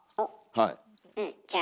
はい。